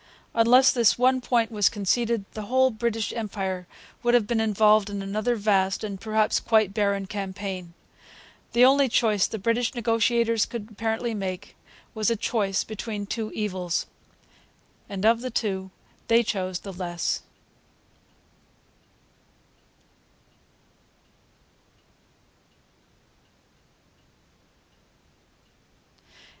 Unless this one point was conceded the whole British Empire would have been involved in another vast, and perhaps quite barren, campaign. The only choice the British negotiators could apparently make was a choice between two evils. And of the two they chose the less.